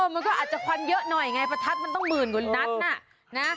มันก็อาจจะควันเยอะหน่อยไงประทัดมันต้องหมื่นกว่านัดน่ะนะ